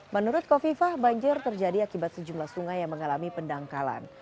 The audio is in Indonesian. menurut kofifah banjir terjadi akibat sejumlah sungai yang mengalami pendangkalan